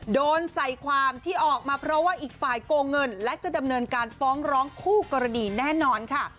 โดนใส่ความที่ออกมาเพราะว่าอีกฝ่ายโกงเงินและจะดำเนินการฟ้องร้องคู่กรณีแน่นอนค่ะ